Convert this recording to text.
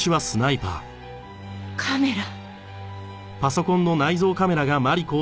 カメラ！